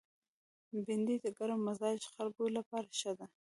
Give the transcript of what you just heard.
بېنډۍ د ګرم مزاج خلکو لپاره ښه ده